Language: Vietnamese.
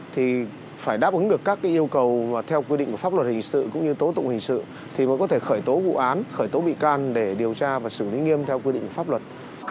thì đã được quy định rõ trong pháp luật